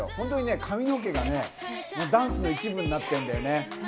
髪の毛がね、ダンスの一部になってるんだよね。